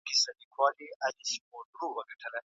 ګاونډیان به د وګړو غوښتنو ته غوږ نیسي.